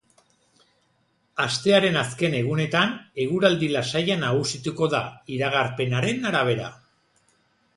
Astearen azken egunetan, eguraldi lasaia nagusituko da, iragarpenaren arabera.